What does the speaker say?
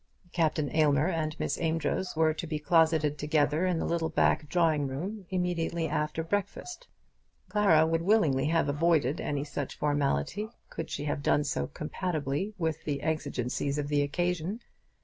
Captain Aylmer and Miss Amedroz were to be closeted together in the little back drawing room immediately after breakfast. Clara would willingly have avoided any such formality could she have done so compatibly with the exigencies of the occasion.